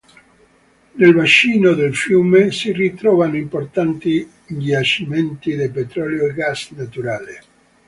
Nel bacino del fiume si ritrovano importanti giacimenti di petrolio e gas naturale.